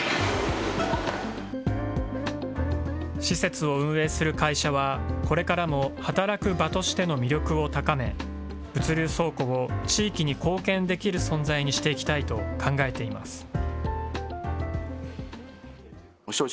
施設を運営する会社は、これからも働く場としての魅力を高め、物流倉庫を地域に貢献できる存在にしていきたいと考えています。